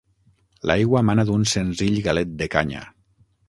L'aigua mana d'un senzill galet de canya.